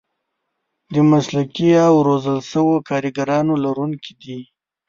د مسلکي او روزل شوو کارګرانو لرونکي دي.